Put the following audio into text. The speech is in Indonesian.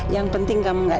yang penting kamu gak